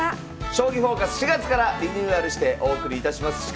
「将棋フォーカス」４月からリニューアルしてお送りいたします。